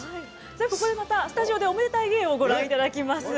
ここでまたスタジオでおめでたい芸をご覧いただきます。